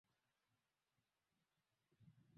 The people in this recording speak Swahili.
uzalishaji wa mazao ya kilimo mifugo na uvuvi